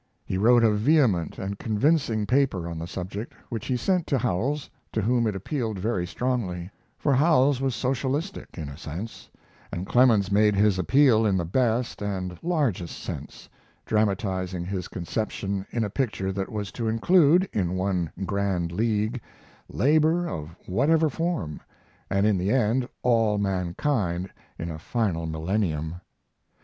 He wrote a vehement and convincing paper on the subject, which he sent to Howells, to whom it appealed very strongly, for Howells was socialistic, in a sense, and Clemens made his appeal in the best and largest sense, dramatizing his conception in a picture that was to include, in one grand league, labor of whatever form, and, in the end, all mankind in a final millennium.